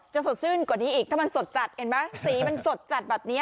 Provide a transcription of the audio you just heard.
สดชื่นกว่านี้อีกถ้ามันสดจัดเห็นไหมสีมันสดจัดแบบนี้